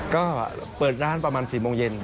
ก็เปิดร้านประมาณ๔โมงเย็น